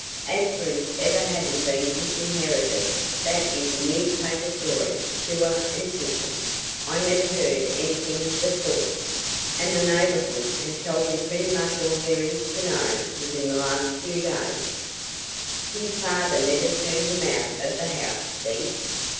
As for his ever having been disinherited, that is a newspaper story, pure and simple. I never heard anything of the sort, and the neighborhood has told me pretty much all there is to know within the last few days." "His father never turned him out of the house then?"